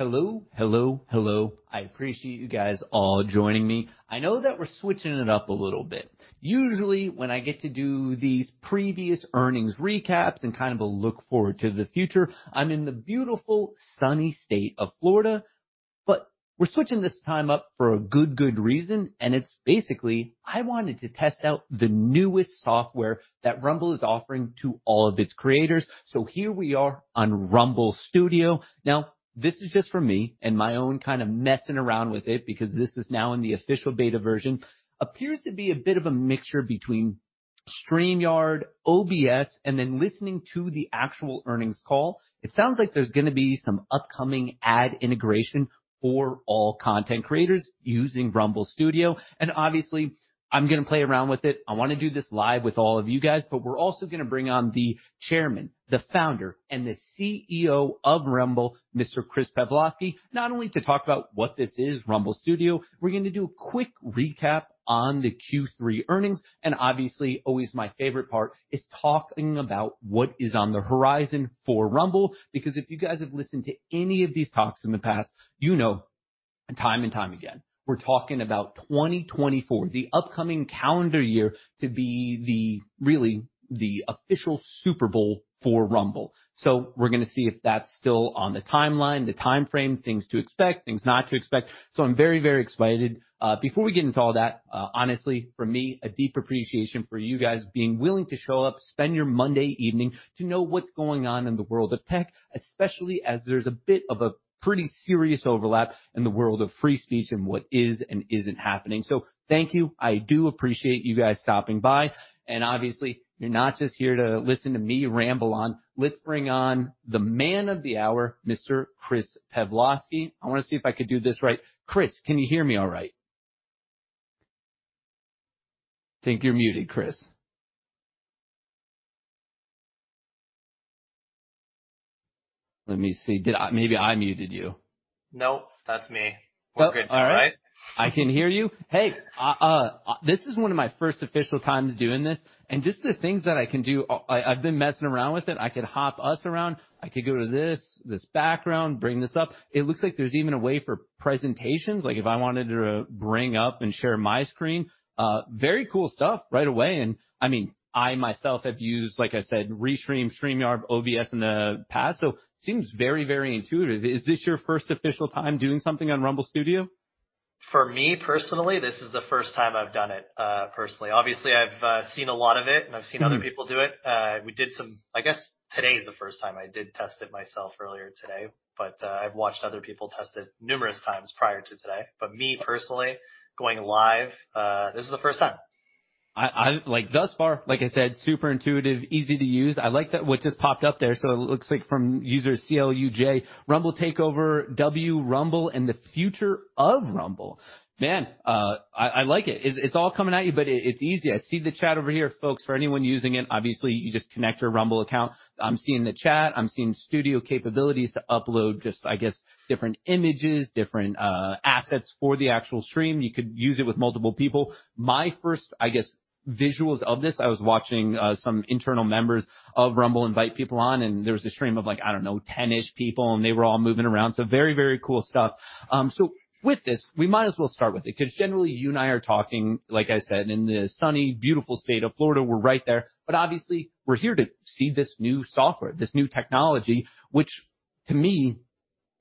Hello, hello, hello. I appreciate you guys all joining me. I know that we're switching it up a little bit. Usually, when I get to do these previous earnings recaps and kind of a look forward to the future, I'm in the beautiful, sunny state of Florida. But we're switching this time up for a good, good reason, and it's basically, I wanted to test out the newest software that Rumble is offering to all of its creators. So here we are on Rumble Studio. Now, this is just from me and my own kind of messing around with it because this is now in the official beta version. It appears to be a bit of a mixture between StreamYard, OBS, and then listening to the actual earnings call. It sounds like there's gonna be some upcoming ad integration for all content creators using Rumble Studio. And obviously, I'm gonna play around with it. I wanna do this live with all of you guys, but we're also gonna bring on the Chairman, the Founder, and the CEO of Rumble, Mr. Chris Pavlovski, not only to talk about what this is, Rumble Studio, we're gonna do a quick recap on the Q3 earnings. And obviously, always my favorite part is talking about what is on the horizon for Rumble, because if you guys have listened to any of these talks in the past, you know time and time again, we're talking about 2024, the upcoming calendar year, to be the really, the official Super Bowl for Rumble. So we're gonna see if that's still on the timeline, the timeframe, things to expect, things not to expect. So I'm very, very excited. Before we get into all that, honestly, from me, a deep appreciation for you guys being willing to show up, spend your Monday evening to know what's going on in the world of tech, especially as there's a bit of a pretty serious overlap in the world of free speech and what is and isn't happening. So thank you. I do appreciate you guys stopping by, and obviously, you're not just here to listen to me ramble on. Let's bring on the man of the hour, Mr. Chris Pavlovski. I wanna see if I can do this right. Chris, can you hear me all right? I think you're muted, Chris. Let me see. Did I? Maybe I muted you. Nope, that's me. We're good, all right? I can hear you. Hey, this is one of my first official times doing this, and just the things that I can do. I've been messing around with it. I could hop us around. I could go to this background, bring this up. It looks like there's even a way for presentations, like if I wanted to bring up and share my screen. Very cool stuff right away. I mean, I myself have used, like I said, Restream, StreamYard, OBS in the past, so seems very, very intuitive. Is this your first official time doing something on Rumble Studio? For me, personally, this is the first time I've done it, personally. Obviously, I've seen a lot of it, and I've seen other people do it. I guess today is the first time. I did test it myself earlier today, but, I've watched other people test it numerous times prior to today. But me, personally, going live, this is the first time. Like, thus far, like I said, super intuitive, easy to use. I like that. What just popped up there, so it looks like from user CLUJ, Rumble Takeover, W Rumble and the future of Rumble. Man, I like it. It's all coming at you, but it's easy. I see the chat over here, folks. For anyone using it, obviously, you just connect your Rumble account. I'm seeing the chat. I'm seeing studio capabilities to upload just, I guess, different images, different assets for the actual stream. You could use it with multiple people. My first, I guess, visuals of this, I was watching some internal members of Rumble invite people on, and there was a stream of, like, I don't know, 10-ish people, and they were all moving around, so very, very cool stuff. So with this, we might as well start with it, 'cause generally, you and I are talking, like I said, in the sunny, beautiful state of Florida. We're right there, but obviously, we're here to see this new software, this new technology, which to me,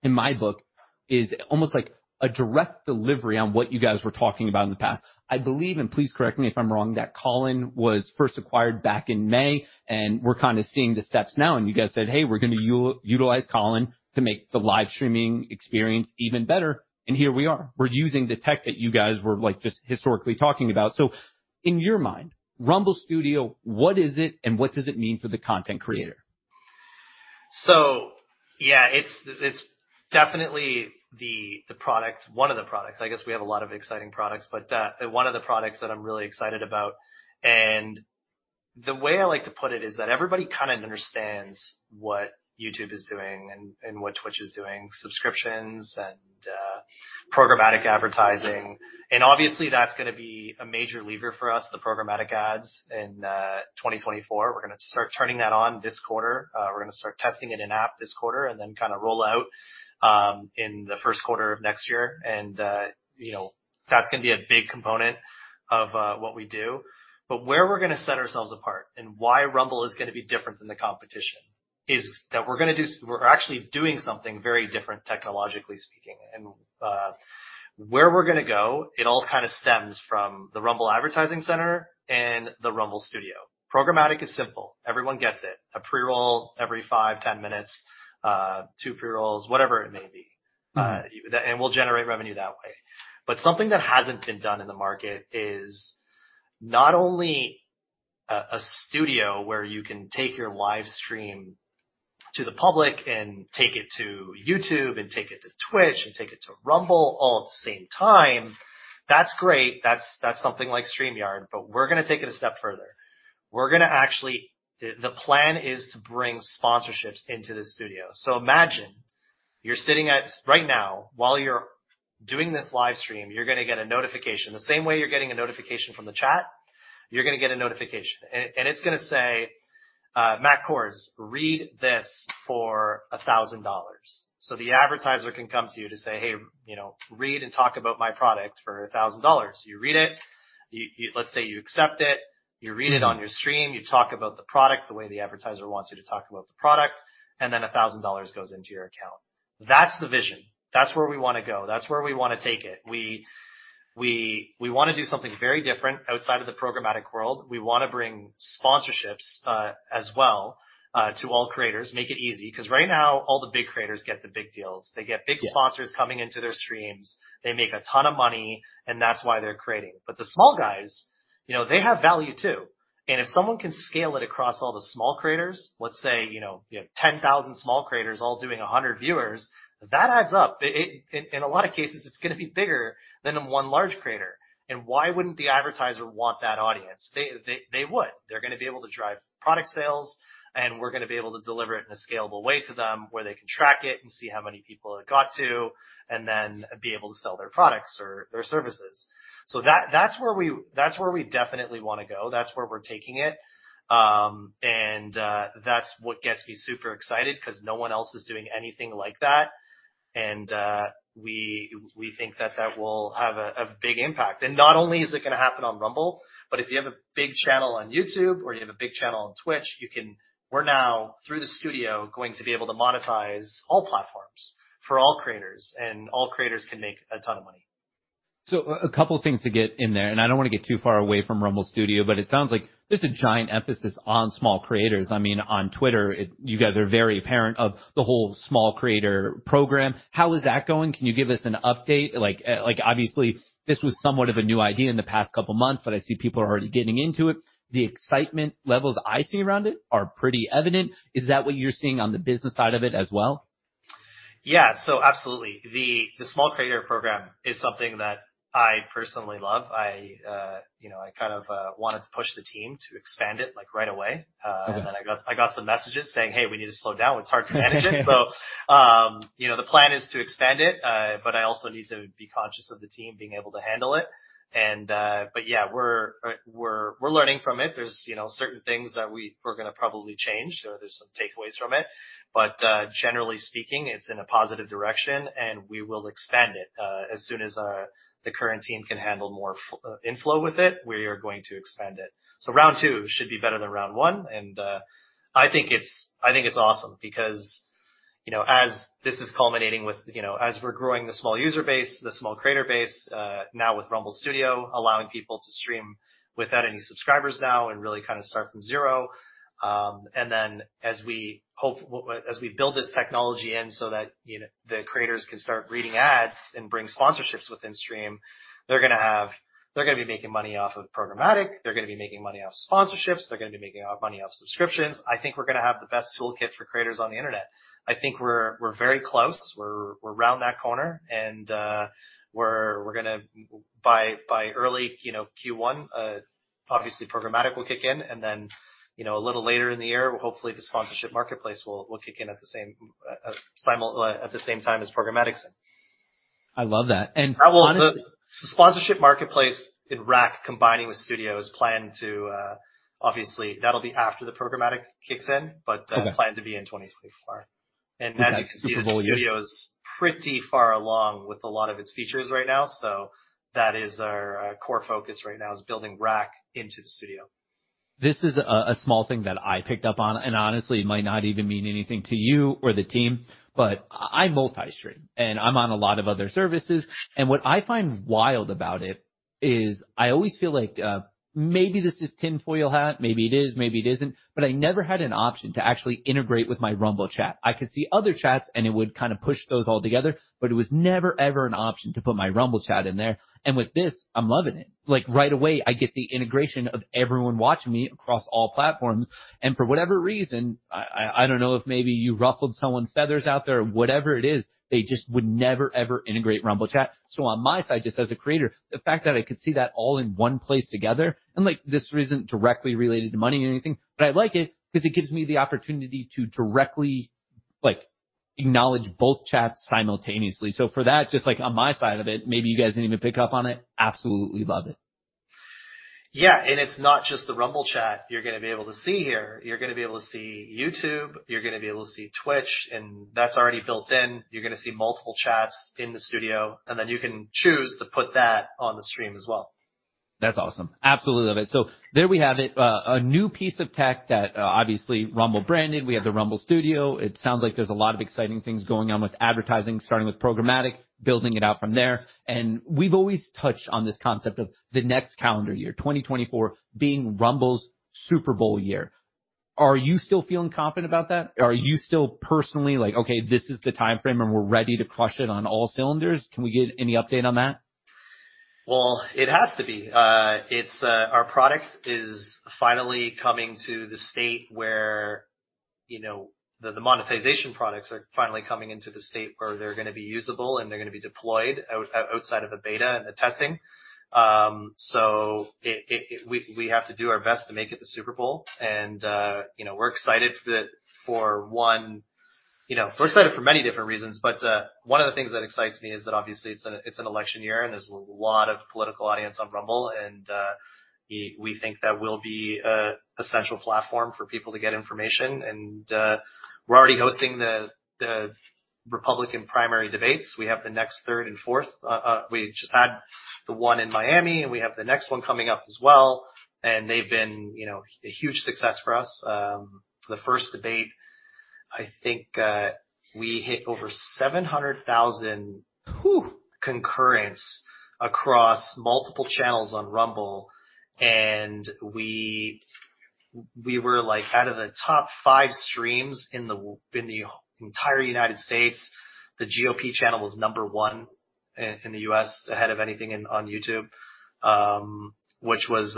in my book, is almost like a direct delivery on what you guys were talking about in the past. I believe, and please correct me if I'm wrong, that Callin was first acquired back in May, and we're kind of seeing the steps now, and you guys said: "Hey, we're gonna utilize Callin to make the live streaming experience even better." And here we are. We're using the tech that you guys were, like, just historically talking about. So in your mind, Rumble Studio, what is it, and what does it mean for the content creator? So, yeah, it's definitely the product, one of the products. I guess we have a lot of exciting products, but one of the products that I'm really excited about, and the way I like to put it is that everybody kind of understands what YouTube is doing and what Twitch is doing. Subscriptions and programmatic advertising, and obviously, that's gonna be a major lever for us, the programmatic ads in 2024. We're gonna start turning that on this quarter. We're gonna start testing it in-app this quarter and then kind of roll out in the first quarter of next year. And you know, that's gonna be a big component of what we do. But where we're gonna set ourselves apart and why Rumble is gonna be different than the competition, is that we're gonna do—we're actually doing something very different, technologically speaking. And where we're gonna go, it all kind of stems from the Rumble Advertising Center and the Rumble Studio. Programmatic is simple. Everyone gets it. A pre-roll every five to 10 minutes, two pre-rolls, whatever it may be. Mm-hmm. And we'll generate revenue that way. But something that hasn't been done in the market is not only a studio where you can take your live stream to the public and take it to YouTube and take it to Twitch and take it to Rumble all at the same time. That's great. That's something like StreamYard, but we're gonna take it a step further. We're gonna actually, the plan is to bring sponsorships into the studio. So imagine you're sitting at right now, while you're doing this live stream, you're gonna get a notification. The same way you're getting a notification from the chat, you're gonna get a notification. And it's gonna say, "Matt Kohrs, read this for $1,000." So the advertiser can come to you to say, "Hey, you know, read and talk about my product for $1,000." You read it, you--let's say you accept it, you read it on your stream, you talk about the product the way the advertiser wants you to talk about the product, and then $1,000 goes into your account. That's the vision. That's where we wanna go. That's where we wanna take it. We wanna do something very different outside of the programmatic world. We wanna bring sponsorships, as well, to all creators. Make it easy, 'cause right now, all the big creators get the big deals. They get big- Yeah Sponsors coming into their streams. They make a ton of money, and that's why they're creating. But the small guys, you know, they have value, too. And if someone can scale it across all the small creators, let's say, you know, you have 10,000 small creators all doing 100 viewers, that adds up. It-in, in a lot of cases, it's gonna be bigger than the one large creator. And why wouldn't the advertiser want that audience? They, they, they would. They're gonna be able to drive product sales, and we're gonna be able to deliver it in a scalable way to them, where they can track it and see how many people it got to, and then be able to sell their products or their services. So that-that's where we, that's where we definitely wanna go. That's where we're taking it. That's what gets me super excited, 'cause no one else is doing anything like that. We think that will have a big impact. Not only is it gonna happen on Rumble, but if you have a big channel on YouTube or you have a big channel on Twitch, you can-- we're now, through the studio, going to be able to monetize all platforms for all creators, and all creators can make a ton of money. So, a couple of things to get in there, and I don't wanna get too far away from Rumble Studio, but it sounds like there's a giant emphasis on small creators. I mean, on Twitter, you guys are very aware of the whole small creator program. How is that going? Can you give us an update? Like, like, obviously, this was somewhat of a new idea in the past couple months, but I see people are already getting into it. The excitement levels I see around it are pretty evident. Is that what you're seeing on the business side of it as well? Yeah, so absolutely. The small creator program is something that I personally love. I, you know, I kind of wanted to push the team to expand it, like, right away. Mm-hmm. But then I got some messages saying: "Hey, we need to slow down. It's hard to manage it." So, you know, the plan is to expand it, but I also need to be conscious of the team being able to handle it. But yeah, we're learning from it. There's, you know, certain things that we're gonna probably change, or there's some takeaways from it. But, generally speaking, it's in a positive direction, and we will expand it. As soon as the current team can handle more inflow with it, we are going to expand it. So round two should be better than round one, and I think it's, I think it's awesome because, you know, as this is culminating with, you know, as we're growing the small user base, the small creator base, now with Rumble Studio, allowing people to stream without any subscribers now and really kind of start from zero. And then as we build this technology in so that, you know, the creators can start reading ads and bring sponsorships within stream, they're gonna be making money off of programmatic. They're gonna be making money off sponsorships. They're gonna be making money off subscriptions. I think we're gonna have the best toolkit for creators on the Internet. I think we're very close. We're around that corner, and we're gonna be by early, you know, Q1, obviously, programmatic will kick in, and then, you know, a little later in the year, hopefully, the sponsorship marketplace will kick in at the same time as programmatic's in. I love that, and honestly- Well, the sponsorship marketplace in Rumble, combining with Studio, is planned to. Obviously, that'll be after the programmatic kicks in- Okay. -but, planned to be in 2024. Okay, Super Bowl year. As you can see, the Studio is pretty far along with a lot of its features right now, so that is our core focus right now, is building RAC into the studio. This is a small thing that I picked up on, and honestly, it might not even mean anything to you or the team, but I multi-stream, and I'm on a lot of other services, and what I find wild about it is I always feel like, maybe this is tinfoil hat, maybe it is, maybe it isn't, but I never had an option to actually integrate with my Rumble chat. I could see other chats, and it would kind of push those all together, but it was never, ever an option to put my Rumble chat in there. With this, I'm loving it. Like, right away, I get the integration of everyone watching me across all platforms, and for whatever reason, I don't know if maybe you ruffled someone's feathers out there or whatever it is, they just would never, ever integrate Rumble chat. So on my side, just as a creator, the fact that I could see that all in one place together, and, like, this isn't directly related to money or anything, but I like it because it gives me the opportunity to directly, like, acknowledge both chats simultaneously. So for that, just, like, on my side of it, maybe you guys didn't even pick up on it, absolutely love it. Yeah, and it's not just the Rumble chat you're gonna be able to see here. You're gonna be able to see YouTube. You're gonna be able to see Twitch, and that's already built in. You're gonna see multiple chats in the studio, and then you can choose to put that on the stream as well. That's awesome. Absolutely love it. So there we have it, a new piece of tech that, obviously, Rumble branded. We have the Rumble Studio. It sounds like there's a lot of exciting things going on with advertising, starting with programmatic, building it out from there. We've always touched on this concept of the next calendar year, 2024, being Rumble's Super Bowl year. Are you still feeling confident about that? Are you still personally like: "Okay, this is the timeframe, and we're ready to crush it on all cylinders?" Can we get any update on that? Well, it has to be. It's our product is finally coming to the state where you know, the monetization products are finally coming into the state where they're gonna be usable and they're gonna be deployed outside of the beta and the testing. So we have to do our best to make it the Super Bowl. And you know, we're excited, for one, you know, we're excited for many different reasons, but one of the things that excites me is that obviously it's an election year, and there's a lot of political audience on Rumble, and we think that we'll be a central platform for people to get information. And we're already hosting the Republican primary debates. We have the next third and fourth. We just had the one in Miami, and we have the next one coming up as well, and they've been, you know, a huge success for us. The first debate, I think, we hit over 700,000- Whew! concurrence across multiple channels on Rumble, and we were like out of the top five streams in the entire United States, the GOP channel was number one in the U.S., ahead of anything on YouTube, which was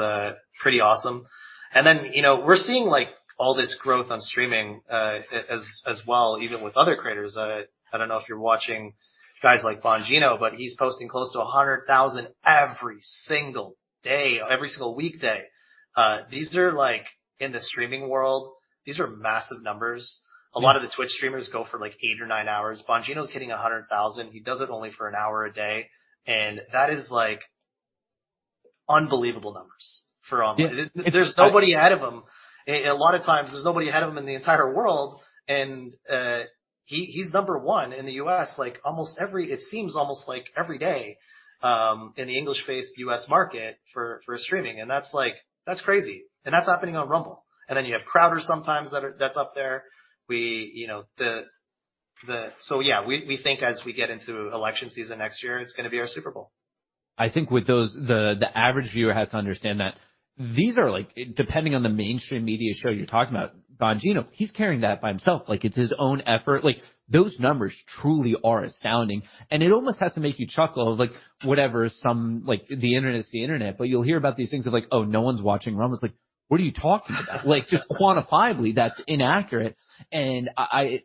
pretty awesome. And then, you know, we're seeing like all this growth on streaming as well, even with other creators. I don't know if you're watching guys like Bongino, but he's posting close to 100,000 every single day, every single weekday. These are like in the streaming world, these are massive numbers. Yeah. A lot of the Twitch streamers go for, like, 8 or 9 hours. Bongino is hitting 100,000. He does it only for an hour a day, and that is, like, unbelievable numbers for- Yeah. There's nobody ahead of him. A lot of times there's nobody ahead of him in the entire world, and he, he's number one in the U.S., like, almost every-- it seems almost like every day, in the English-based U.S. market for streaming. And that's like, that's crazy. And that's happening on Rumble. And then you have Crowder sometimes, that's up there. You know, the... So yeah, we think as we get into election season next year, it's gonna be our Super Bowl. I think with those, the average viewer has to understand that these are like, depending on the mainstream media show you're talking about, Bongino, he's carrying that by himself, like it's his own effort. Like, those numbers truly are astounding, and it almost has to make you chuckle, like, whatever, some like, the Internet is the Internet, but you'll hear about these things of like: "Oh, no one's watching Rumble." It's like: "What are you talking about?" Like, just quantifiably, that's inaccurate. And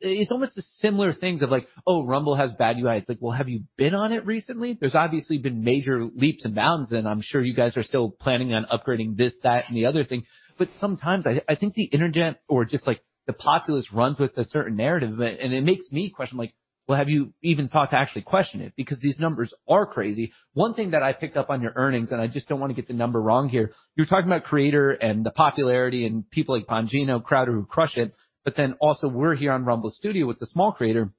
it's almost a similar things of like: "Oh, Rumble has bad UI." It's like: "Well, have you been on it recently?" There's obviously been major leaps and bounds, and I'm sure you guys are still planning on upgrading this, that, and the other thing. But sometimes I think the Internet or just like the populace runs with a certain narrative, and it makes me question like: "Well, have you even thought to actually question it? Because these numbers are crazy." One thing that I picked up on your earnings, and I just don't want to get the number wrong here, you're talking about creator and the popularity and people like Bongino, Crowder, who crush it, but then also we're here on Rumble Studio with the small creator.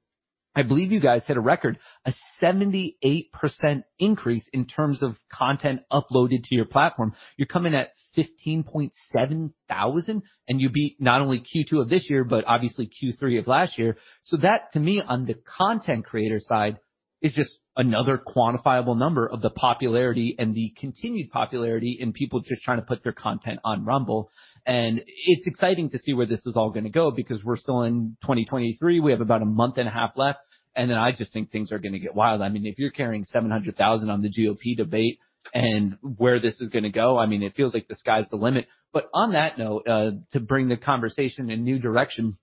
I believe you guys hit a record, a 78% increase in terms of content uploaded to your platform. You're coming at 15.7 thousand, and you beat not only Q2 of this year, but obviously Q3 of last year. So that to me, on the content creator side, is just another quantifiable number of the popularity and the continued popularity in people just trying to put their content on Rumble. And it's exciting to see where this is all gonna go, because we're still in 2023, we have about a month and a half left, and then I just think things are gonna get wild. I mean, if you're carrying 700,000 on the GOP debate and where this is gonna go, I mean, it feels like the sky's the limit. But on that note, to bring the conversation in a new direction,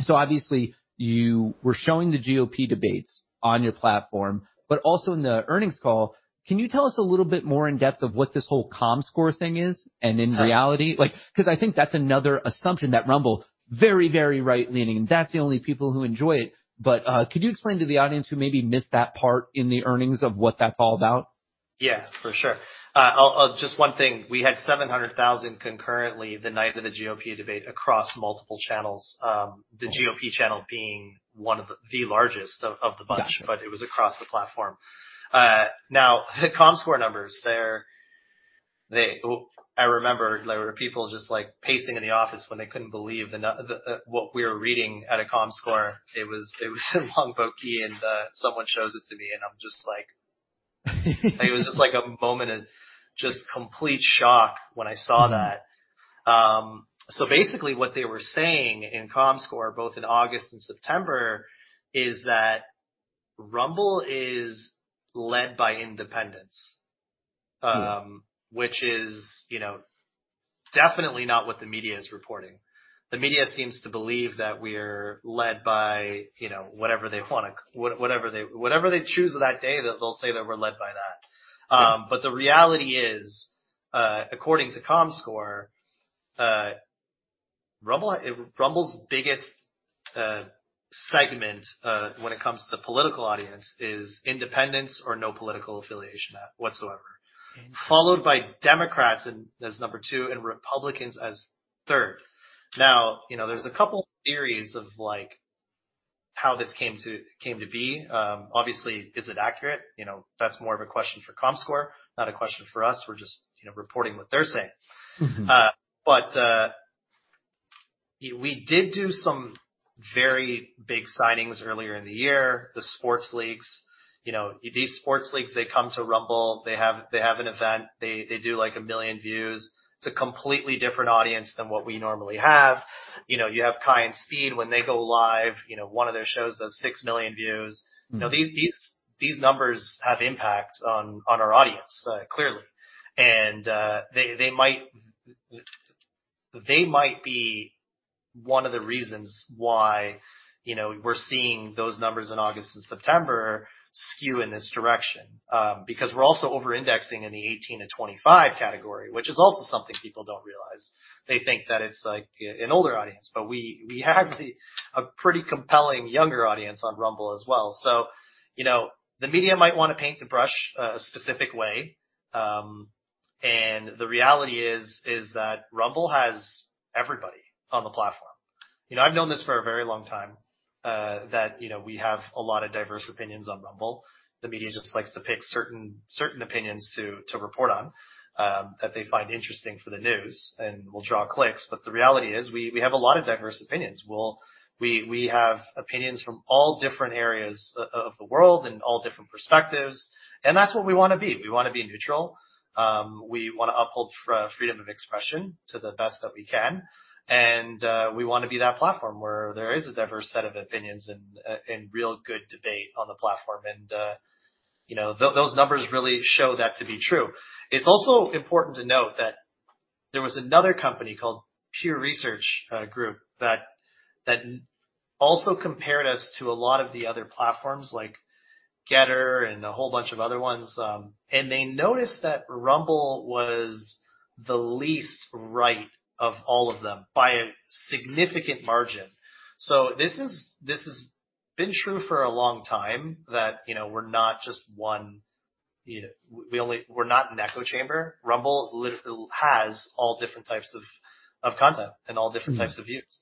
so obviously you were showing the GOP debates on your platform, but also in the earnings call, can you tell us a little bit more in depth of what this whole Comscore thing is? Uh- In reality... Like, 'cause I think that's another assumption, that Rumble, very, very right-leaning, and that's the only people who enjoy it. But, could you explain to the audience who maybe missed that part in the earnings of what that's all about? Yeah, for sure. Just one thing, we had 700,000 concurrently the night of the GOP debate across multiple channels. The GOP channel being one of the largest of the bunch- Got you. But it was across the platform. Now, the Comscore numbers, they're—Oh, I remember there were people just, like, pacing in the office when they couldn't believe the numbers, the, what we were reading at Comscore. It was, it was in Longboat Key, and someone shows it to me, and I'm just like... It was just like a moment of just complete shock when I saw that. Mm-hmm. So basically what they were saying in Comscore, both in August and September, is that Rumble is led by independents- Mm-hmm... which is, you know, definitely not what the media is reporting. The media seems to believe that we're led by, you know, whatever they wanna choose that day, that they'll say that we're led by that. Yeah. But the reality is, according to Comscore, Rumble's biggest segment when it comes to political audience is independents or no political affiliation whatsoever. Mm-hmm. Followed by Democrats as number two and Republicans as third. Now, you know, there's a couple theories of like, how this came to be. Obviously, is it accurate? You know, that's more of a question for Comscore, not a question for us. We're just, you know, reporting what they're saying. Mm-hmm. But, we did do some very big signings earlier in the year. The sports leagues, you know, these sports leagues, they come to Rumble, they have, they have an event, they, they do like 1 million views. It's a completely different audience than what we normally have. You know, you have Kai and Speed, when they go live, you know, one of their shows does 6 million views. Mm-hmm. You know, these numbers have impact on our audience, clearly, and they might be one of the reasons why, you know, we're seeing those numbers in August and September skew in this direction. Because we're also over-indexing in the 18-25 category, which is also something people don't realize. They think that it's, like, an older audience, but we have a pretty compelling younger audience on Rumble as well. So, you know, the media might wanna paint the brush a specific way, and the reality is that Rumble has everybody on the platform. You know, I've known this for a very long time, that, you know, we have a lot of diverse opinions on Rumble. The media just likes to pick certain opinions to report on that they find interesting for the news and will draw clicks. But the reality is, we have a lot of diverse opinions. We have opinions from all different areas of the world and all different perspectives, and that's what we wanna be. We wanna be neutral, we wanna uphold freedom of expression to the best that we can, and we wanna be that platform where there is a diverse set of opinions and real good debate on the platform. And you know, those numbers really show that to be true. It's also important to note that there was another company called Pew Research Center that also compared us to a lot of the other platforms like Gettr and a whole bunch of other ones, and they noticed that Rumble was the least right of all of them by a significant margin. So this is, this has been true for a long time, that, you know, we're not just one... We-we only-- we're not an echo chamber. Rumble literally has all different types of, of content and all different types of views.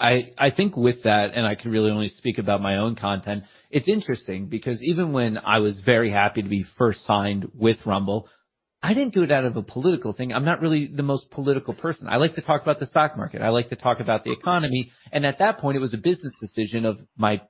I think with that, and I can really only speak about my own content. It's interesting because even when I was very happy to be first signed with Rumble, I didn't do it out of a political thing. I'm not really the most political person. I like to talk about the stock market. I like to talk about the economy, and at that point, it was a business decision of my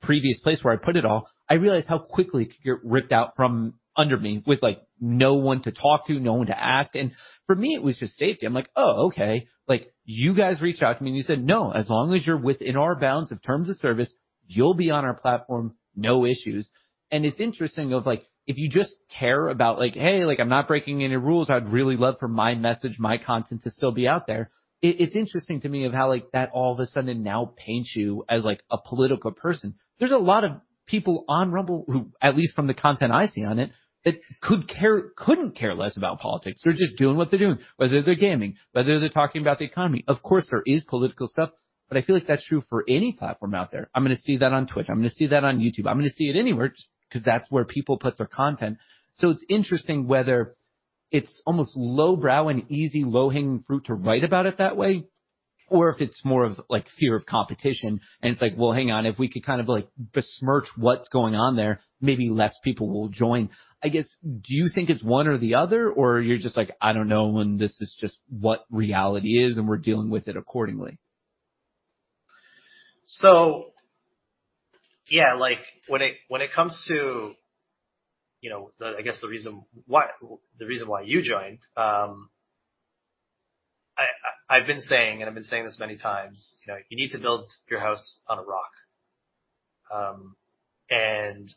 previous place where I put it all. I realized how quickly it could get ripped out from under me with, like, no one to talk to, no one to ask. And for me, it was just safety. I'm like: Oh, okay. Like, you guys reached out to me, and you said: "No, as long as you're within our bounds of terms of service, you'll be on our platform, no issues." And it's interesting of, like, if you just care about, like, "Hey, like, I'm not breaking any rules. I'd really love for my message, my content to still be out there." It's interesting to me of how, like, that all of a sudden now paints you as, like, a political person. There's a lot of people on Rumble who, at least from the content I see on it, that couldn't care less about politics. They're just doing what they're doing, whether they're gaming, whether they're talking about the economy. Of course, there is political stuff, but I feel like that's true for any platform out there. I'm gonna see that on Twitch. I'm gonna see that on YouTube. I'm gonna see it anywhere, 'cause that's where people put their content. So it's interesting, whether it's almost lowbrow and easy, low-hanging fruit to write about it that way, or if it's more of like fear of competition, and it's like: Well, hang on, if we could kind of like besmirch what's going on there, maybe less people will join. I guess, do you think it's one or the other, or you're just like: I don't know, and this is just what reality is, and we're dealing with it accordingly? So, yeah, like, when it comes to, you know, I guess the reason why you joined, I've been saying, and I've been saying this many times, you know, you need to build your house on a rock. And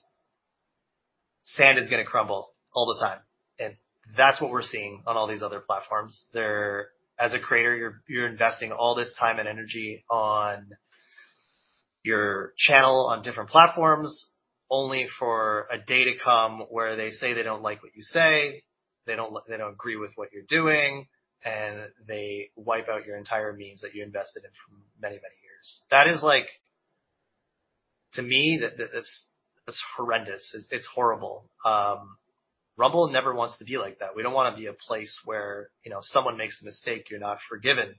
sand is gonna crumble all the time, and that's what we're seeing on all these other platforms. As a creator, you're investing all this time and energy on your channel, on different platforms, only for a day to come where they say they don't like what you say, they don't agree with what you're doing, and they wipe out your entire means that you invested in for many, many years. That is like... To me, that's horrendous. It's horrible. Rumble never wants to be like that. We don't wanna be a place where, you know, someone makes a mistake, you're not forgiven.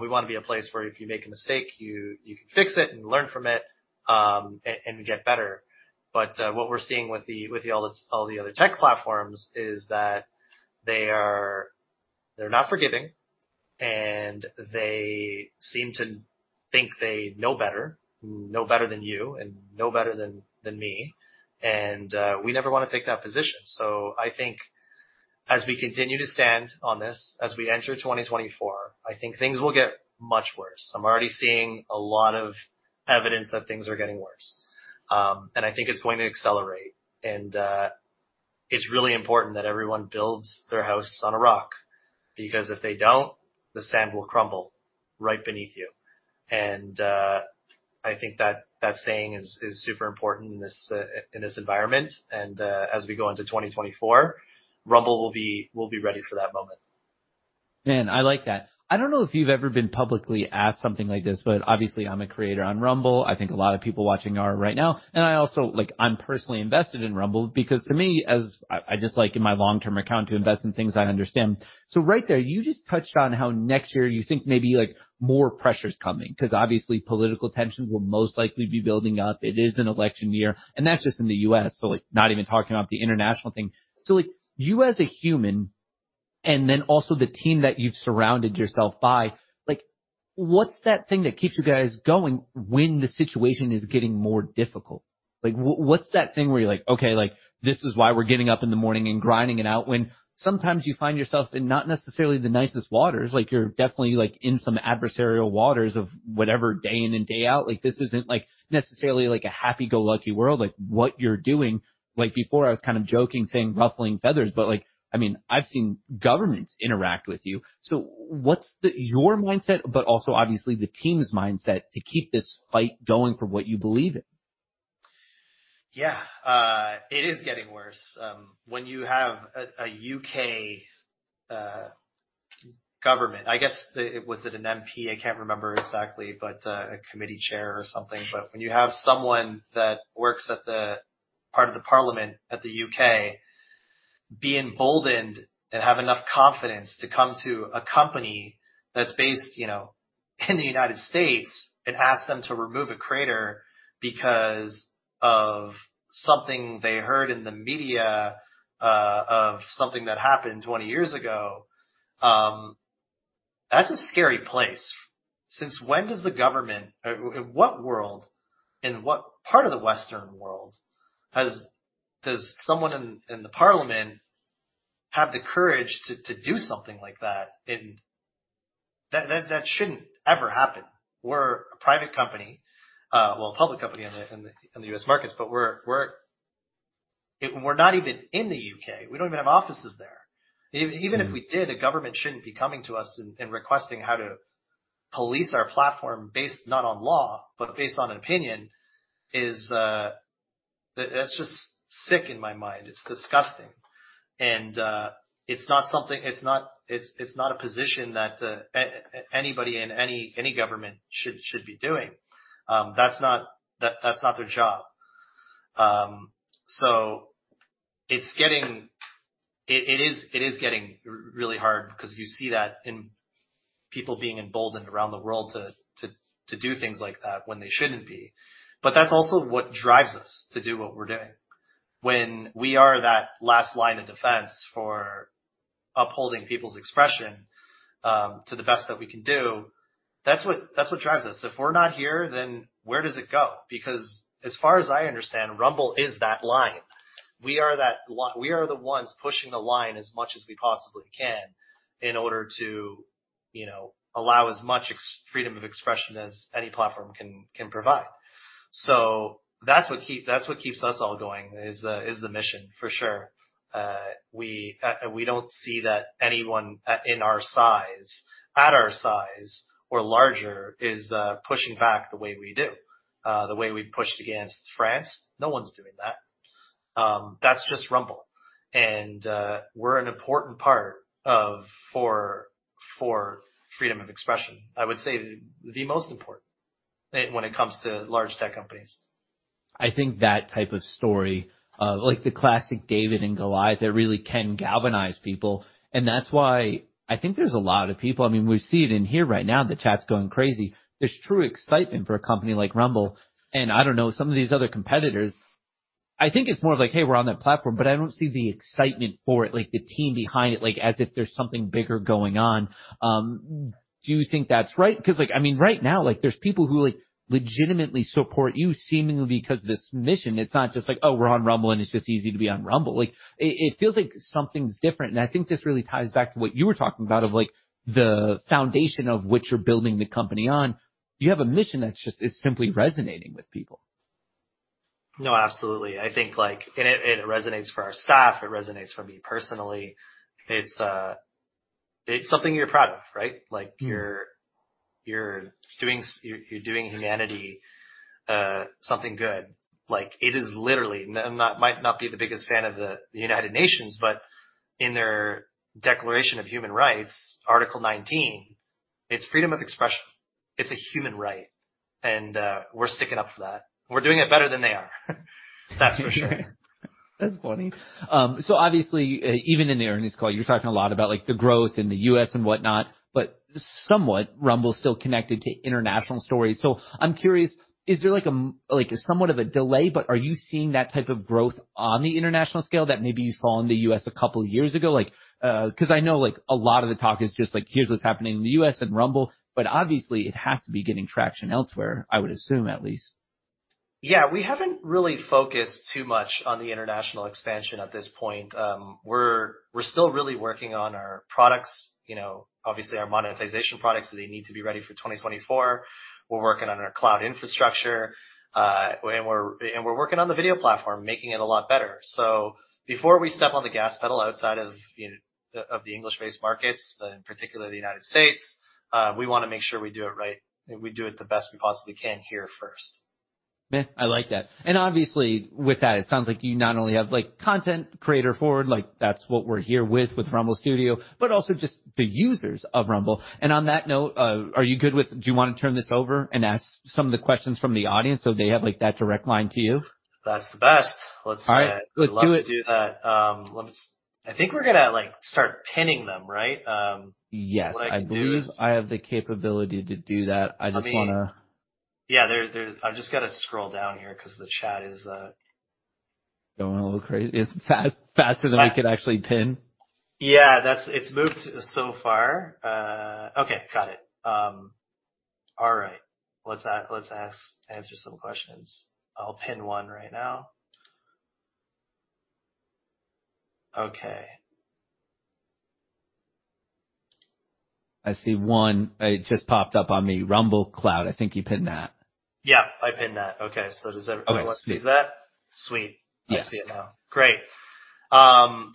We wanna be a place where if you make a mistake, you can fix it and learn from it, and get better. But what we're seeing with all the other tech platforms is that they're not forgiving, and they seem to think they know better than you and know better than me, and we never wanna take that position. So I think as we continue to stand on this, as we enter 2024, I think things will get much worse. I'm already seeing a lot of evidence that things are getting worse. I think it's going to accelerate, and it's really important that everyone builds their house on a rock, because if they don't, the sand will crumble right beneath you. I think that saying is super important in this environment, and as we go into 2024, Rumble will be-- we'll be ready for that moment. Man, I like that. I don't know if you've ever been publicly asked something like this, but obviously I'm a creator on Rumble. I think a lot of people watching are right now, and I also like, I'm personally invested in Rumble because to me, as I just like in my long-term account to invest in things I understand. So right there, you just touched on how next year you think maybe, like, more pressure is coming, 'cause obviously political tensions will most likely be building up. It is an election year, and that's just in the U.S., so, like, not even talking about the international thing. So, like, you as a human, and then also the team that you've surrounded yourself by, like, what's that thing that keeps you guys going when the situation is getting more difficult?... Like, what's that thing where you're like: Okay, like, this is why we're getting up in the morning and grinding it out, when sometimes you find yourself in not necessarily the nicest waters. Like, you're definitely, like, in some adversarial waters of whatever, day in and day out. Like, this isn't, like, necessarily like a happy-go-lucky world, like, what you're doing. Like, before, I was kind of joking, saying, ruffling feathers, but, like, I mean, I've seen governments interact with you. So what's the your mindset, but also, obviously, the team's mindset, to keep this fight going for what you believe in? Yeah, it is getting worse. When you have a U.K. government, I guess. Was it an MP? I can't remember exactly, but a committee chair or something. But when you have someone that works at the part of the parliament at the U.K., be emboldened and have enough confidence to come to a company that's based, you know, in the United States, and ask them to remove a creator because of something they heard in the media of something that happened 20 years ago, that's a scary place. Since when does the government. In what world, in what part of the Western world, does someone in the parliament have the courage to do something like that? And that shouldn't ever happen. We're a private company, well, a public company in the U.S. markets, but we're... We're not even in the U.K. We don't even have offices there. Even if we did, a government shouldn't be coming to us and requesting how to police our platform based not on law, but based on opinion, that's just sick in my mind. It's disgusting. And it's not something. It's not a position that anybody in any government should be doing. That's not their job. So it's getting really hard because you see that in people being emboldened around the world to do things like that when they shouldn't be. But that's also what drives us to do what we're doing. When we are that last line of defense for upholding people's expression, to the best that we can do, that's what drives us. If we're not here, then where does it go? Because as far as I understand, Rumble is that line. We are the ones pushing the line as much as we possibly can in order to, you know, allow as much freedom of expression as any platform can provide. So that's what keeps us all going, is the mission, for sure. We don't see that anyone at our size or larger is pushing back the way we do. The way we've pushed against France, no one's doing that. That's just Rumble. And, we're an important part of for freedom of expression. I would say the most important when it comes to large tech companies. I think that type of story, like the classic David and Goliath, it really can galvanize people, and that's why I think there's a lot of people. I mean, we see it in here right now, the chat's going crazy. There's true excitement for a company like Rumble, and I don't know, some of these other competitors. I think it's more of like: "Hey, we're on that platform," but I don't see the excitement for it, like, the team behind it, like, as if there's something bigger going on. Do you think that's right? Because, like, I mean, right now, like, there's people who, like, legitimately support you, seemingly because of this mission. It's not just like: Oh, we're on Rumble, and it's just easy to be on Rumble. Like, it, it feels like something's different. I think this really ties back to what you were talking about of like, the foundation of which you're building the company on. You have a mission that just is simply resonating with people. No, absolutely. I think, like... And it, it resonates for our staff, it resonates for me personally. It's, it's something you're proud of, right? Mm. Like you're doing humanity something good. Like, it is literally might not be the biggest fan of the United Nations, but in their Declaration of Human Rights, Article 19, it's freedom of expression. It's a human right, and we're sticking up for that. We're doing it better than they are. That's for sure. That's funny. So obviously, even in the earnings call, you're talking a lot about, like, the growth in the U.S. and whatnot, but somewhat Rumble is still connected to international stories. So I'm curious, is there, like, like, somewhat of a delay, but are you seeing that type of growth on the international scale that maybe you saw in the U.S. a couple years ago? Like, 'cause I know, like, a lot of the talk is just like: Here's what's happening in the U.S. and Rumble, but obviously, it has to be gaining traction elsewhere, I would assume, at least. Yeah, we haven't really focused too much on the international expansion at this point. We're still really working on our products, you know, obviously, our monetization products, so they need to be ready for 2024. We're working on our cloud infrastructure, and we're working on the video platform, making it a lot better. So before we step on the gas pedal outside of the English-based markets, in particular the United States, we wanna make sure we do it right, and we do it the best we possibly can here first. Yeah, I like that. And obviously, with that, it sounds like you not only have, like, content creator forward, like, that's what we're here with, with Rumble Studio, but also just the users of Rumble. And on that note, are you good with- Do you wanna turn this over and ask some of the questions from the audience, so they have, like, that direct line to you? That's the best. All right. Let's do it. I'd love to do that. I think we're gonna, like, start pinning them, right? Yes. What I can do is- I believe I have the capability to do that. I mean- I just wanna... Yeah, there's. I've just got to scroll down here 'cause the chat is ...Going a little crazy. It's fast, faster than I could actually pin? Yeah, that's it. It's moved so far. Okay, got it. All right, let's ask, answer some questions. I'll pin one right now. Okay. I see one. It just popped up on me. Rumble Cloud. I think you pinned that. Yeah, I pinned that. Okay, so does everybody see that? Okay, sweet. Sweet. Yes. I see it now. Great.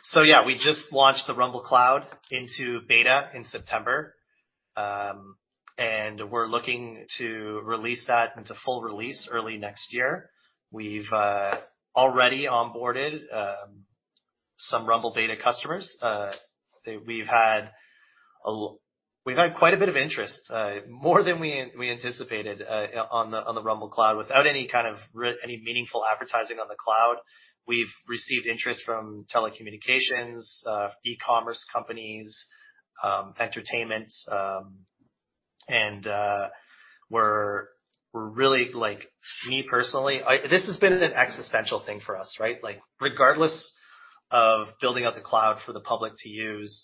So yeah, we just launched the Rumble Cloud into beta in September. And we're looking to release that into full release early next year. We've already onboarded some Rumble beta customers. We've had quite a bit of interest, more than we anticipated, on the Rumble Cloud. Without any kind of real advertising on the cloud, we've received interest from telecommunications, e-commerce companies, entertainment, and we're really like, me personally, I... This has been an existential thing for us, right? Like, regardless of building out the cloud for the public to use,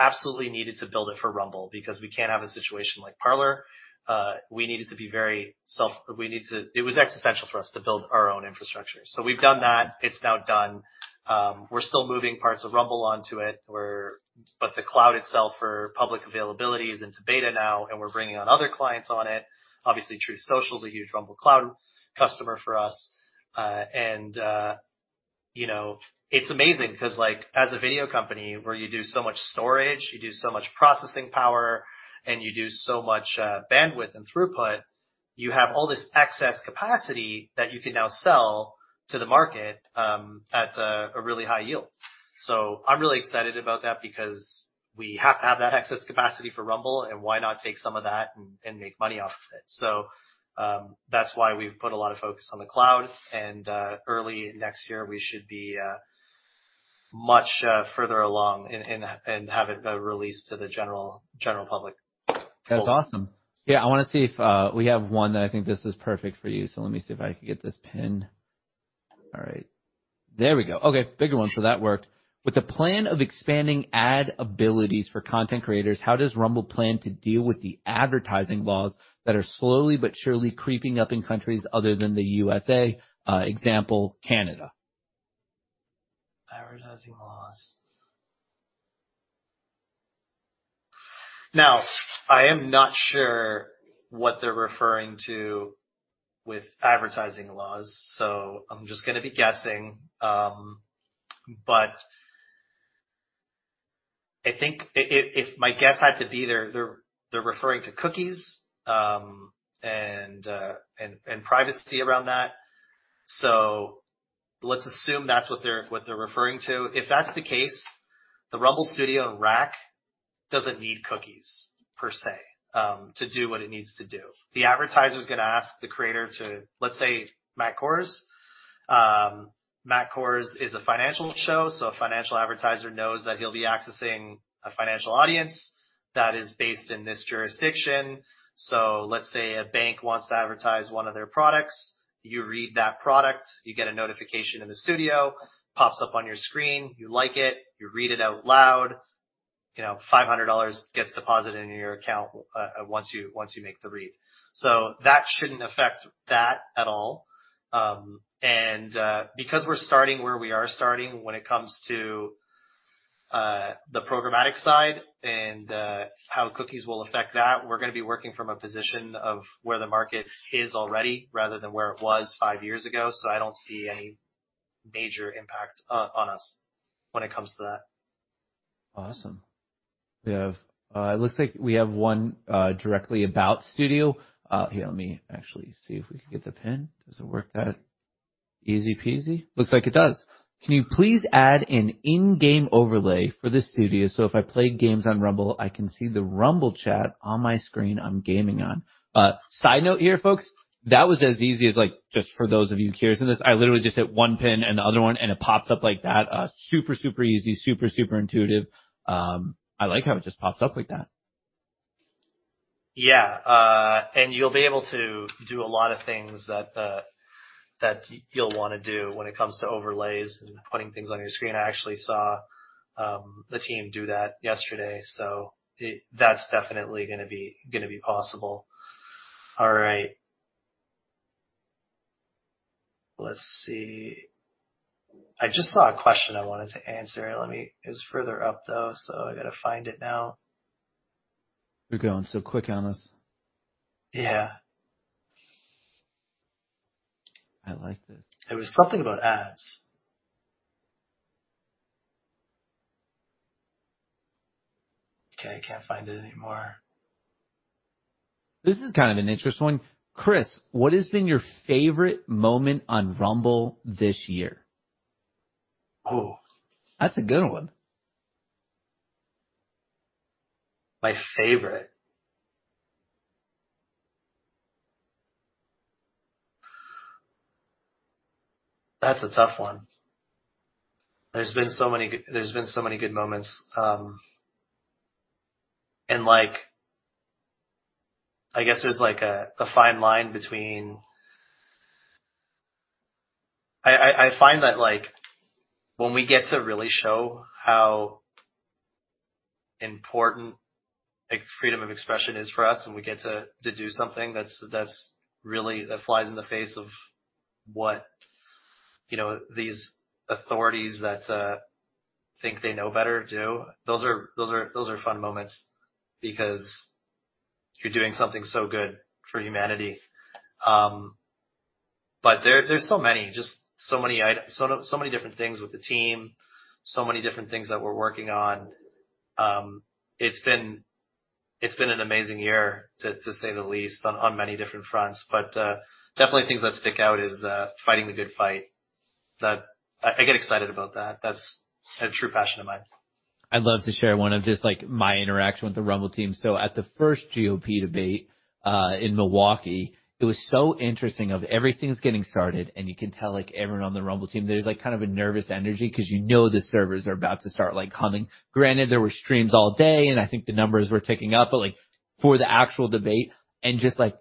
we absolutely needed to build it for Rumble because we can't have a situation like Parler. We needed to be very self-reliant. We need to... It was existential for us to build our own infrastructure. So we've done that. It's now done. We're still moving parts of Rumble onto it. But the cloud itself, for public availability, is into beta now, and we're bringing on other clients on it. Obviously, Truth Social is a huge Rumble Cloud customer for us. And you know, it's amazing because, like, as a video company where you do so much storage, you do so much processing power, and you do so much bandwidth and throughput, you have all this excess capacity that you can now sell to the market at a really high yield. So I'm really excited about that because we have to have that excess capacity for Rumble, and why not take some of that and make money off of it? So, that's why we've put a lot of focus on the cloud, and early next year, we should be much further along and have it released to the general public. That's awesome. Yeah, I want to see if we have one that I think this is perfect for you, so let me see if I can get this pinned. All right, there we go. Okay, bigger one, so that worked. With the plan of expanding ad abilities for content creators, how does Rumble plan to deal with the advertising laws that are slowly but surely creeping up in countries other than the USA? Example, Canada. Advertising laws. Now, I am not sure what they're referring to with advertising laws, so I'm just gonna be guessing. But I think if my guess had to be, they're referring to cookies, and privacy around that. So let's assume that's what they're referring to. If that's the case, the Rumble Studio and Rants doesn't need cookies, per se, to do what it needs to do. The advertiser is gonna ask the creator to, let's say, Matt Kohrs. Matt Kohrs is a financial show, so a financial advertiser knows that he'll be accessing a financial audience that is based in this jurisdiction. So let's say a bank wants to advertise one of their products. You read that product, you get a notification in the studio, pops up on your screen, you like it, you read it out loud, you know, $500 gets deposited into your account once you make the read. So that shouldn't affect that at all. And because we're starting where we are starting when it comes to the programmatic side and how cookies will affect that, we're gonna be working from a position of where the market is already, rather than where it was five years ago. So I don't see any major impact on us when it comes to that. Awesome. We have, it looks like we have one, directly about Studio. Here, let me actually see if we can get the pin. Does it work that easy-peasy? Looks like it does. Can you please add an in-game overlay for this studio, so if I play games on Rumble, I can see the Rumble chat on my screen I'm gaming on? Side note here, folks, that was as easy as, like, just for those of you curious in this, I literally just hit one pin and the other one, and it pops up like that. Super, super easy. Super, super intuitive. I like how it just pops up like that. Yeah, and you'll be able to do a lot of things that, that you'll wanna do when it comes to overlays and putting things on your screen. I actually saw the team do that yesterday, so it... That's definitely gonna be possible. All right. Let's see. I just saw a question I wanted to answer. Let me... It's further up, though, so I got to find it now. You're going so quick on this. Yeah. I like this. It was something about ads. Okay, I can't find it anymore. This is kind of an interesting one. Chris, what has been your favorite moment on Rumble this year? Oh. That's a good one. My favorite? That's a tough one. There's been so many good moments, and like I guess there's, like, a fine line between—I find that, like, when we get to really show how important, like, freedom of expression is for us, and we get to do something that's really that flies in the face of what, you know, these authorities that think they know better do, those are fun moments because you're doing something so good for humanity. But there's so many, just so many different things with the team, so many different things that we're working on. It's been an amazing year, to say the least, on many different fronts, but definitely things that stick out is fighting the good fight. That I get excited about that. That's a true passion of mine. I'd love to share one of just, like, my interaction with the Rumble team. So at the first GOP debate in Milwaukee, it was so interesting of everything's getting started, and you can tell, like, everyone on the Rumble team, there's, like, kind of a nervous energy because you know the servers are about to start, like, humming. Granted, there were streams all day, and I think the numbers were ticking up, but like, for the actual debate and just like...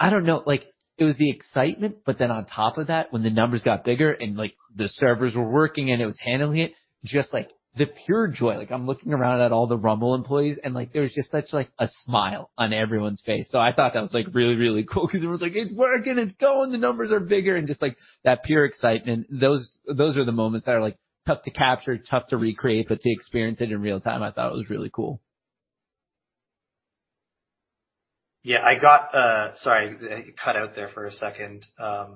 I don't know, like, it was the excitement, but then on top of that, when the numbers got bigger and, like, the servers were working, and it was handling it, just like the pure joy. Like, I'm looking around at all the Rumble employees, and, like, there was just such, like, a smile on everyone's face. So I thought that was, like, really, really cool because it was like: It's working, it's going, the numbers are bigger! And just like that pure excitement, those, those are the moments that are, like, tough to capture, tough to recreate, but to experience it in real time, I thought it was really cool. Yeah, I got... Sorry, you cut out there for a second. I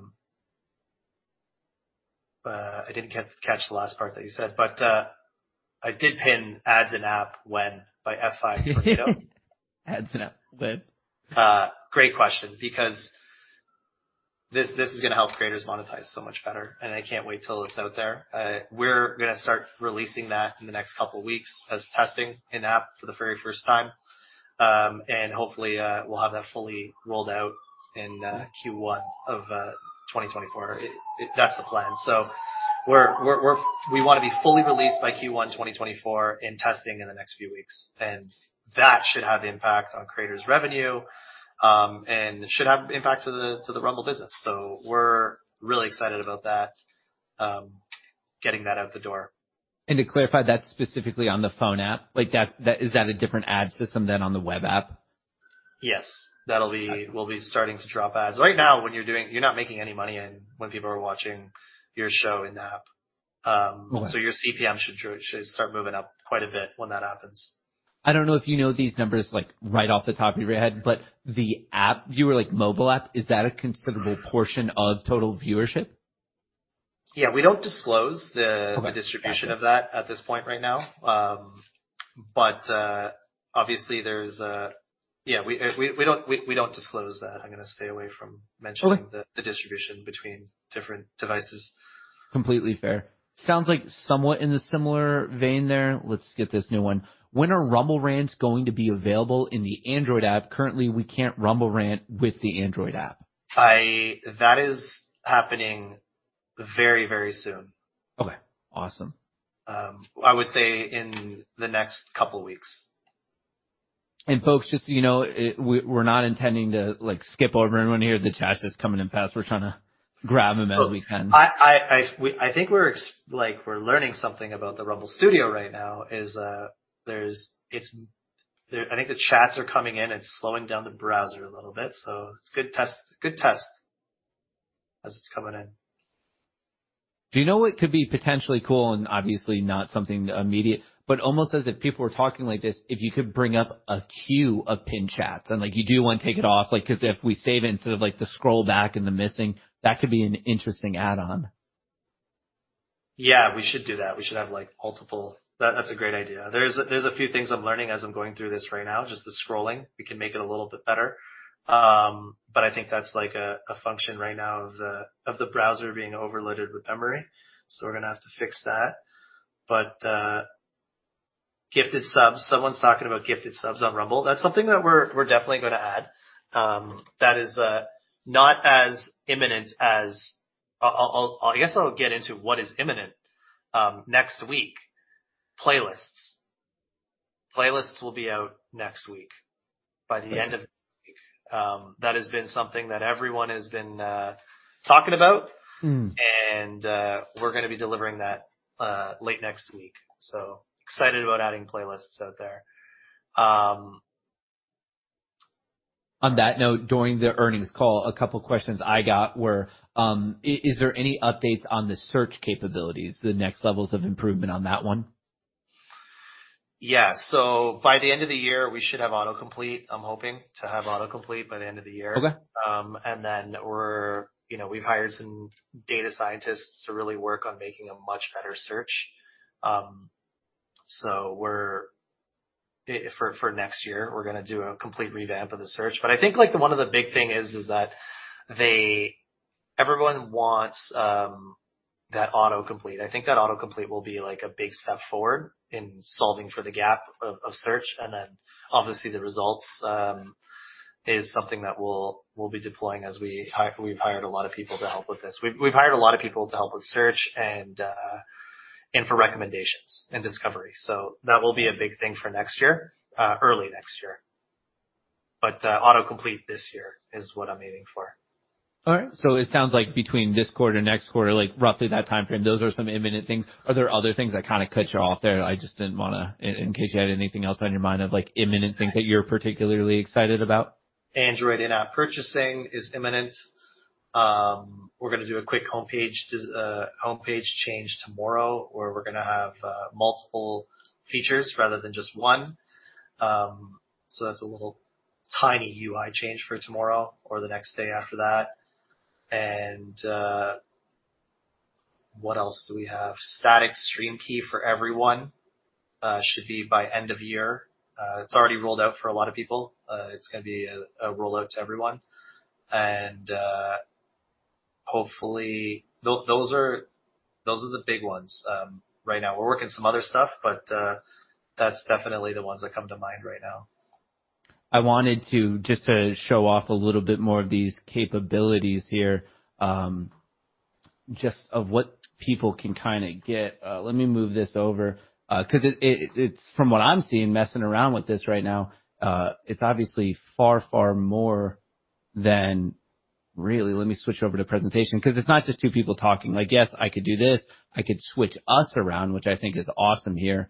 didn't catch the last part that you said, but I did pin ads in app when by F5 Torpedo. Ads in app. Good. Great question, because this, this is gonna help creators monetize so much better, and I can't wait till it's out there. We're gonna start releasing that in the next couple of weeks as testing in-app for the very first time. And hopefully, we'll have that fully rolled out in Q1 of 2024. That's the plan. So we wanna be fully released by Q1 2024 in testing in the next few weeks, and that should have impact on creators' revenue, and should have impact to the Rumble business. So we're really excited about that, getting that out the door. To clarify, that's specifically on the phone app? Like, is that a different ad system than on the web app? Yes. That'll be- Okay. We'll be starting to drop ads. Right now, when you're doing, you're not making any money in, when people are watching your show in the app. Okay. So your CPM should start moving up quite a bit when that happens. I don't know if you know these numbers, like, right off the top of your head, but the app, viewer, like, mobile app, is that a considerable portion of total viewership? Yeah, we don't disclose the- Okay. -the distribution of that at this point right now. But obviously there's a-- Yeah, we don't disclose that. I'm gonna stay away from mentioning- Okay. the distribution between different devices. Completely fair. Sounds like somewhat in a similar vein there. Let's get this new one. When are Rumble Rants going to be available in the Android app? Currently, we can't Rumble Rant with the Android app. That is happening very, very soon. Okay, awesome. I would say in the next couple weeks. Folks, just so you know, we're not intending to, like, skip over anyone here. The chat is coming in fast. We're trying to grab them as we can. I think we're like, we're learning something about the Rumble Studio right now is, there's, it's there, I think the chats are coming in and slowing down the browser a little bit, so it's a good test. Good test as it's coming in. Do you know what could be potentially cool and obviously not something immediate, but almost as if people were talking like this, if you could bring up a queue of pinned chats and, like, you do want to take it off, like, 'cause if we save it, instead of, like, the scroll back and the missing, that could be an interesting add-on. Yeah, we should do that. We should have, like, multiple... That's a great idea. There's a few things I'm learning as I'm going through this right now. Just the scrolling. We can make it a little bit better. But I think that's, like, a function right now of the browser being overloaded with memory, so we're gonna have to fix that. Gifted subs. Someone's talking about gifted subs on Rumble. That's something that we're definitely gonna add. That is not as imminent as... I'll get into what is imminent next week. Playlists. Playlists will be out next week, by the end of- Nice. That has been something that everyone has been talking about. Mm. And, we're gonna be delivering that late next week. So excited about adding playlists out there. On that note, during the earnings call, a couple questions I got were: Is there any updates on the search capabilities, the next levels of improvement on that one? Yeah. So by the end of the year, we should have autocomplete. I'm hoping to have autocomplete by the end of the year. Okay. And then, you know, we've hired some data scientists to really work on making a much better search. So we're for next year, we're gonna do a complete revamp of the search. But I think, like, one of the big thing is that everyone wants that autocomplete. I think that autocomplete will be, like, a big step forward in solving for the gap of search, and then obviously, the results is something that we'll be deploying as we hire. We've hired a lot of people to help with this. We've hired a lot of people to help with search and for recommendations and discovery. So that will be a big thing for next year, early next year. But, autocomplete this year is what I'm aiming for. All right. So it sounds like between this quarter, next quarter, like, roughly that timeframe, those are some imminent things. Are there other things I kind of cut you off there? I just didn't wanna... In, in case you had anything else on your mind of, like, imminent things that you're particularly excited about. Android in-app purchasing is imminent. We're gonna do a quick homepage change tomorrow, where we're gonna have multiple features rather than just one. So that's a little tiny UI change for tomorrow or the next day after that. What else do we have? Static stream key for everyone should be by end of year. It's already rolled out for a lot of people. It's gonna be a rollout to everyone. Hopefully... Those, those are, those are the big ones right now. We're working some other stuff, but that's definitely the ones that come to mind right now. I wanted to... Just to show off a little bit more of these capabilities here, just of what people can kinda get. Let me move this over, 'cause it's from what I'm seeing, messing around with this right now, it's obviously far, far more than... Really, let me switch over to presentation, 'cause it's not just two people talking. Like, yes, I could do this. I could switch us around, which I think is awesome here.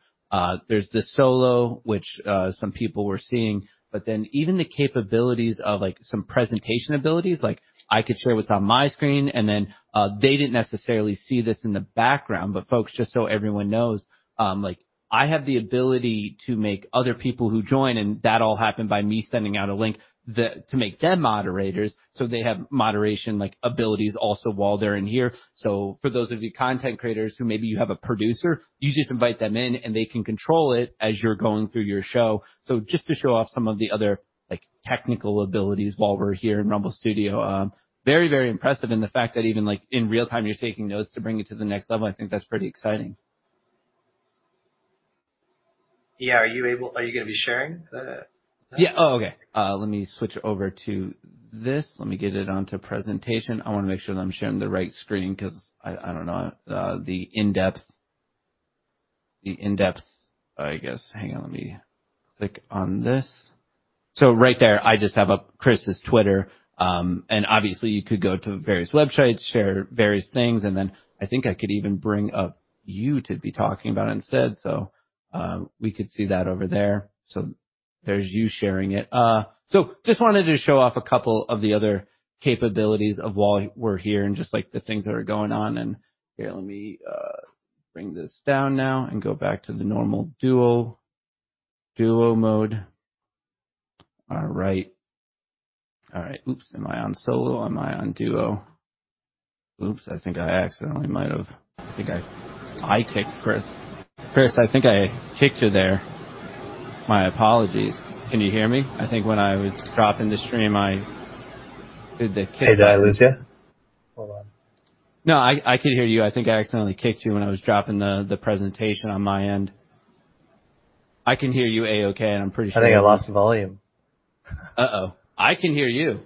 There's the solo, which, some people were seeing, but then even the capabilities of, like, some presentation abilities, like, I could share what's on my screen, and then, they didn't necessarily see this in the background. But folks, just so everyone knows, like, I have the ability to make other people who join, and that all happened by me sending out a link to make them moderators, so they have moderation, like, abilities also while they're in here. So for those of you content creators, who maybe you have a producer, you just invite them in, and they can control it as you're going through your show. So just to show off some of the other, like, technical abilities while we're here in Rumble Studio. Very, very impressive in the fact that even, like, in real time, you're taking notes to bring it to the next level. I think that's pretty exciting. Yeah. Are you gonna be sharing the, the- Yeah. Oh, okay. Let me switch over to this. Let me get it onto presentation. I wanna make sure that I'm sharing the right screen, 'cause I don't know, the in-depth, I guess... Hang on, let me click on this. So right there, I just have up Chris's Twitter, and obviously, you could go to various websites, share various things, and then, I think I could even bring up you to be talking about it instead. So, we could see that over there. So there's you sharing it. So just wanted to show off a couple of the other capabilities of while we're here and just, like, the things that are going on. And here, let me bring this down now and go back to the normal duo mode. All right. All right. Oops, am I on solo or am I on duo? Oops, I think I accidentally might have, I think I, I kicked Chris. Chris, I think I kicked you there. My apologies. Can you hear me? I think when I was dropping the stream, I did the kick. Hey, did I lose you? Hold on. No, I can hear you. I think I accidentally kicked you when I was dropping the presentation on my end. I can hear you A-okay, and I'm pretty sure- I think I lost volume. Uh-oh. I can hear you.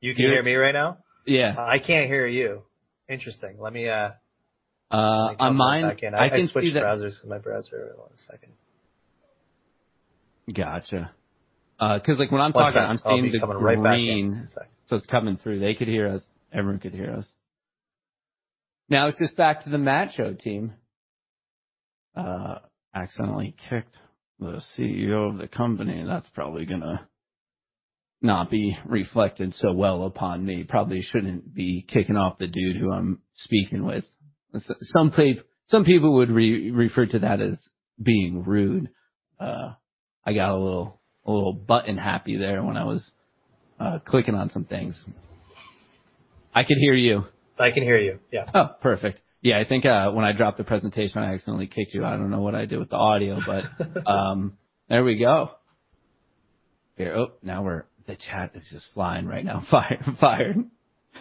You can hear me right now? Yeah. I can't hear you. Interesting. Let me, On mine, I can see that- I can switch browsers with my browser. Hold on a second. Gotcha. 'Cause, like, when I'm talking, I'm seeing the green. Coming right back in one second. So it's coming through. They could hear us. Everyone could hear us. Now, it's just back to the Matt show team. Accidentally kicked the CEO of the company. That's probably gonna not be reflected so well upon me. Probably shouldn't be kicking off the dude who I'm speaking with. Some people would refer to that as being rude. I got a little button happy there when I was clicking on some things. I can hear you. I can hear you. Yeah. Oh, perfect. Yeah, I think when I dropped the presentation, I accidentally kicked you. I don't know what I did with the audio, but there we go. Here. Oh, now we're. The chat is just flying right now. Fire and fired.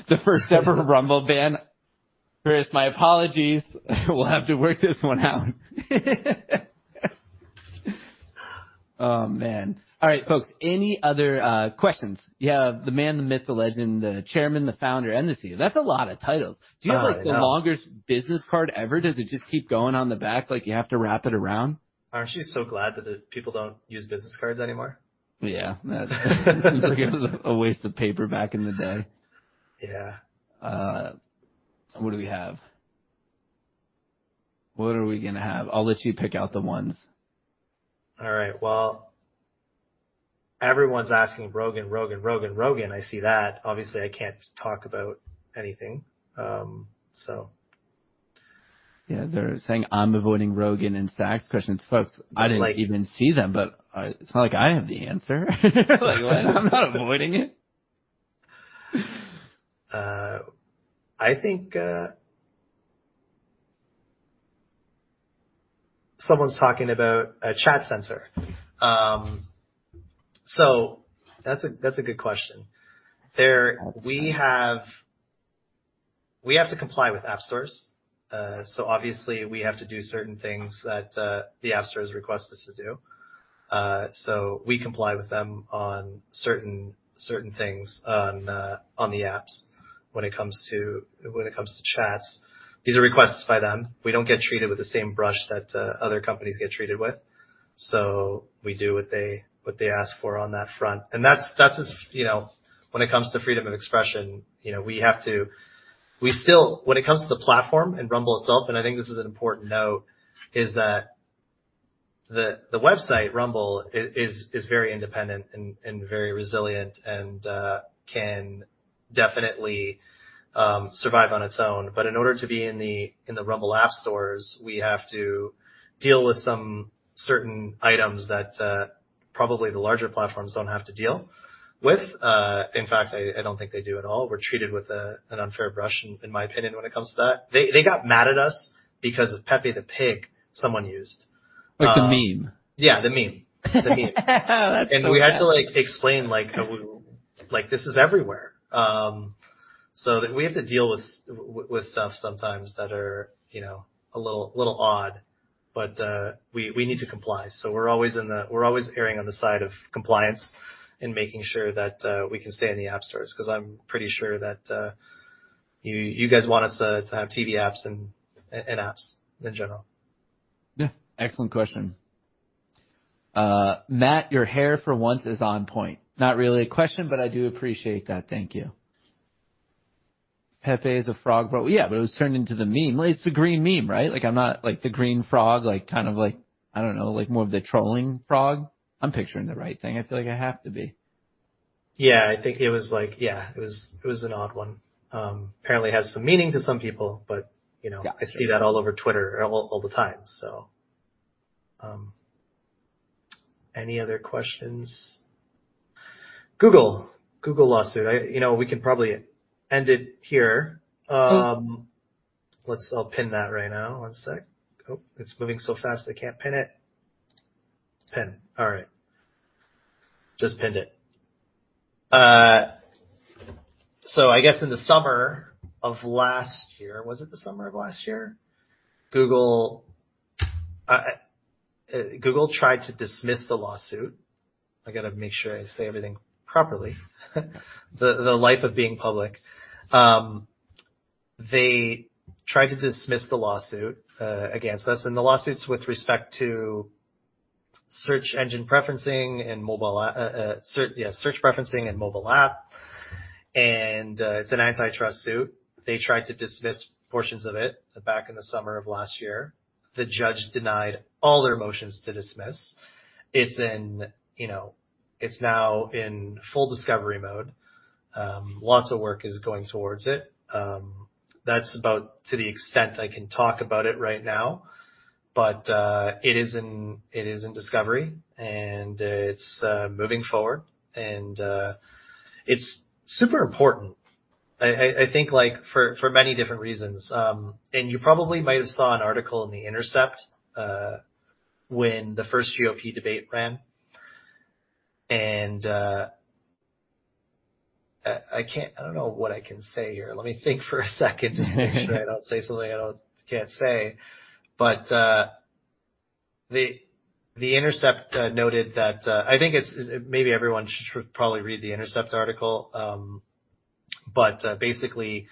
The first ever Rumble ban. Chris, my apologies. We'll have to work this one out. Oh, man! All right, folks, any other questions? You have the man, the myth, the legend, the chairman, the founder, and the CEO. That's a lot of titles. Oh, I know. Do you have, like, the longest business card ever? Does it just keep going on the back, like you have to wrap it around? Aren't you so glad that the people don't use business cards anymore? Yeah,... seems like it was a waste of paper back in the day. Yeah. What do we have? What are we gonna have? I'll let you pick out the ones. All right. Well, everyone's asking Rogan, Rogan, Rogan, Rogan. I see that. Obviously, I can't talk about anything. Yeah, they're saying I'm avoiding Rogan and Sacks questions. Folks- Like- I didn't even see them, but it's not like I have the answer. Like, I'm not avoiding it. I think someone's talking about a chat censor. So that's a good question. We have to comply with app stores, so obviously, we have to do certain things that the app stores request us to do. So we comply with them on certain things on the apps when it comes to chats. These are requests by them. We don't get treated with the same brush that other companies get treated with. So we do what they ask for on that front, and that's just, you know, when it comes to freedom of expression, you know, we have to. We still. When it comes to the platform and Rumble itself, and I think this is an important note, is that the website, Rumble, is very independent and very resilient and can definitely survive on its own. But in order to be in the Rumble app stores, we have to deal with some certain items that probably the larger platforms don't have to deal with. In fact, I don't think they do at all. We're treated with an unfair brush, in my opinion, when it comes to that. They got mad at us because of Pepe the Frog, someone used. Like the meme? Yeah, the meme. The meme. Oh, that's- And we had to, like, explain, like, how, like, this is everywhere. So we have to deal with stuff sometimes that are, you know, a little odd, but we need to comply. So we're always erring on the side of compliance and making sure that we can stay in the app stores, 'cause I'm pretty sure that you guys want us to have TV apps and apps in general. Yeah. Excellent question. Matt, your hair, for once, is on point. Not really a question, but I do appreciate that. Thank you. Pepe is a frog, bro. Yeah, but it was turned into the meme. It's the green meme, right? Like, I'm not... Like, the green frog, like, kind of like, I don't know, like more of the trolling frog. I'm picturing the right thing. I feel like I have to be. Yeah, I think it was like... Yeah, it was, it was an odd one. Apparently, it has some meaning to some people, but, you know- Yeah. I see that all over Twitter, all, all the time, so. Any other questions? Google. Google lawsuit. You know, we can probably end it here. I'll pin that right now. One sec. Oh, it's moving so fast, I can't pin it. Pin. All right, just pinned it. So I guess in the summer of last year. Was it the summer of last year? Google, Google tried to dismiss the lawsuit. I gotta make sure I say everything properly. The life of being public. They tried to dismiss the lawsuit against us, and the lawsuit's with respect to search engine preferencing and mobile search. Yeah, search preferencing and mobile app, and it's an antitrust suit. They tried to dismiss portions of it back in the summer of last year. The judge denied all their motions to dismiss. It's in, you know, it's now in full discovery mode. Lots of work is going towards it. That's about to the extent I can talk about it right now, but it is in discovery, and it's moving forward, and it's super important, I think, like, for many different reasons. And you probably might have saw an article in The Intercept when the first GOP debate ran, and... I can't. I don't know what I can say here. Let me think for a second just to make sure I don't say something I can't say. But The Intercept noted that... I think it's maybe everyone should probably read The Intercept article, but basically,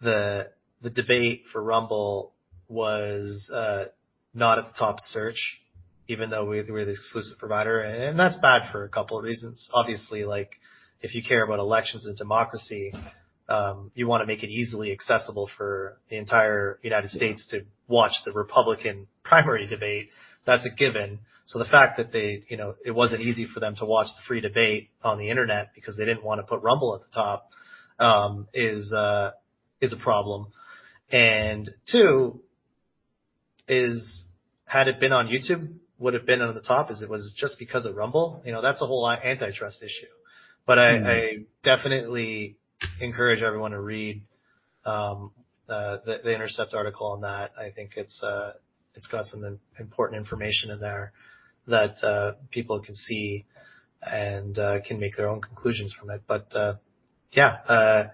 the debate for Rumble was not at the top search, even though we're the exclusive provider, and that's bad for a couple of reasons. Obviously, like, if you care about elections and democracy, you wanna make it easily accessible for the entire United States to watch the Republican primary debate. That's a given. So the fact that they, you know, it wasn't easy for them to watch the free debate on the Internet because they didn't want to put Rumble at the top, is a problem. And two, had it been on YouTube, would it been on the top? Was it just because of Rumble? You know, that's a whole antitrust issue. Mm-hmm. But I definitely encourage everyone to read the The Intercept article on that. I think it's got some important information in there that people can see and can make their own conclusions from it, but yeah,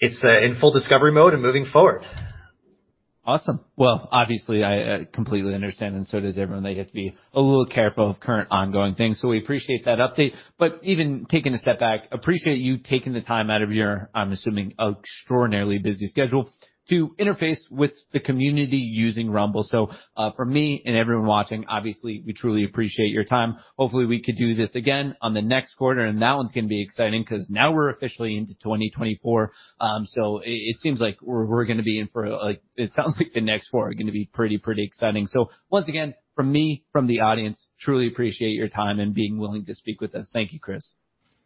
it's in full discovery mode and moving forward. Awesome. Well, obviously, I, I completely understand, and so does everyone, that you have to be a little careful of current ongoing things, so we appreciate that update. But even taking a step back, appreciate you taking the time out of your, I'm assuming, extraordinarily busy schedule, to interface with the community using Rumble. So, from me and everyone watching, obviously, we truly appreciate your time. Hopefully, we can do this again on the next quarter, and that one's gonna be exciting 'cause now we're officially into 2024. So it, it seems like we're, we're gonna be in for, like-- It sounds like the next four are gonna be pretty, pretty exciting. So once again, from me, from the audience, truly appreciate your time and being willing to speak with us. Thank you, Chris.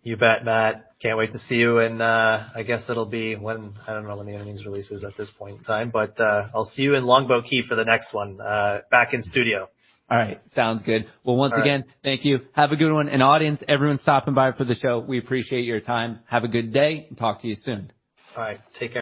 You bet, Matt. Can't wait to see you in, I guess it'll be when, I don't know when the earnings release is at this point in time, but, I'll see you in Longboat Key for the next one, back in studio. All right. Sounds good. All right. Well, once again, thank you. Have a good one, and audience, everyone stopping by for the show, we appreciate your time. Have a good day, and talk to you soon. All right, take care.